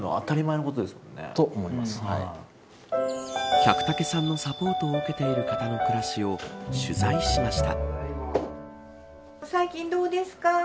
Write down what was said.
百武さんのサポートを受けている方の暮らしを取材しました。